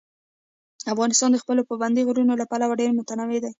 افغانستان د خپلو پابندي غرونو له پلوه ډېر متنوع دی.